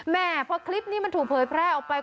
แม่พอคลิปนี้มันถูกเผยแพร่ออกไป